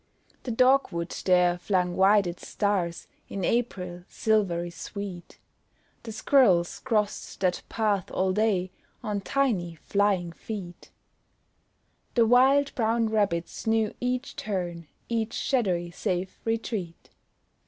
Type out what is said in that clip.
The dog wood there flung wide its stars, In April, silvery sweet; The squirrels crossed that path all day On tiny flying feet; The wild, brown rabbits knew each turn, Each shadowy safe retreat.